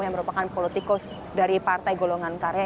yang merupakan politikus dari partai golongan karya